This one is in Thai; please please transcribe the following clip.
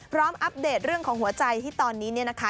อัปเดตเรื่องของหัวใจที่ตอนนี้เนี่ยนะคะ